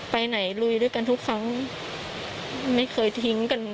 ไปไหนลุยด้วยกันทุกครั้งไม่เคยทิ้งกัน